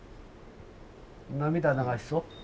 涙流しそう？